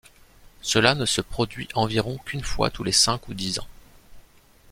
Cela ne se produit environ qu'une fois tous les cinq ou dix ans.